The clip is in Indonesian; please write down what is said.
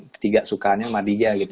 ketiga sukaannya sama dia gitu